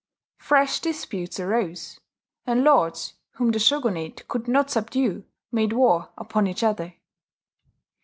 Fresh disputes arose; and lords whom the shogunate could not subdue made war upon each other.